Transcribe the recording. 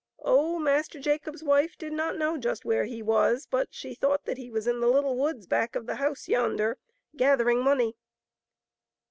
Oh, Master Jacob*s wife did not know just where he was, but she thought that he was in the little woods back of the house yonder, gather ing money.